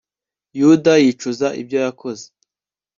yuda yicuza ibyo yakoze